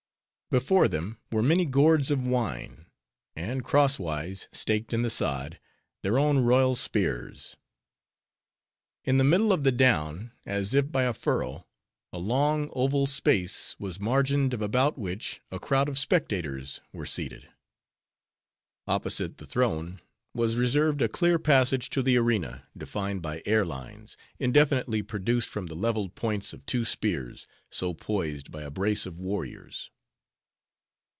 Before them, were many gourds of wine; and crosswise, staked in the sod, their own royal spears. In the middle of the down, as if by a furrow, a long, oval space was margined of about which, a crowd of spectators were seated. Opposite the throne, was reserved a clear passage to the arena, defined by air lines, indefinitely produced from the leveled points of two spears, so poised by a brace of warriors.